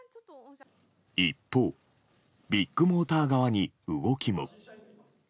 一方、ビッグモーター側に動きも。